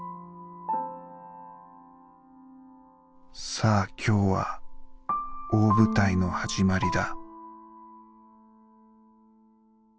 「さあ今日は大舞台の始まりだ」。